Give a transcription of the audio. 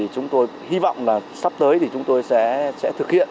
chúng tôi hy vọng sắp tới chúng tôi sẽ thực hiện